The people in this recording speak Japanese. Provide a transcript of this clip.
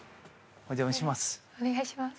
お邪魔します。